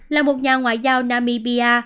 là một nhà ngoại giao namibia